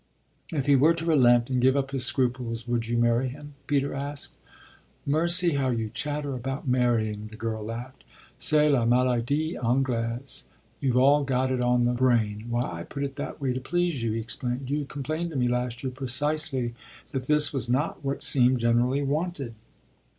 "If he were to relent and give up his scruples would you marry him?" Peter asked. "Mercy, how you chatter about 'marrying'!" the girl laughed. "C'est la maladie anglaise you've all got it on the brain." "Why I put it that way to please you," he explained. "You complained to me last year precisely that this was not what seemed generally wanted."